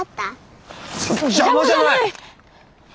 邪魔じゃない！